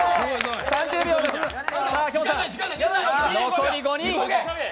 残り５人。